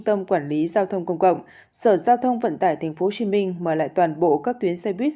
tâm quản lý giao thông công cộng sở giao thông vận tải tp hcm mời lại toàn bộ các tuyến xe buýt